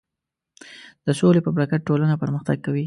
د سولې په برکت ټولنه پرمختګ کوي.